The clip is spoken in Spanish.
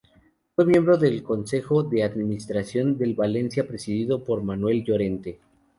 Fue miembro del consejo de administración del Valencia presidido por Manuel Llorente.